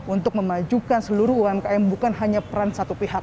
untuk memajukan seluruh umkm bukan hanya peran satu pihak